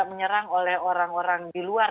menyerang oleh orang orang di luar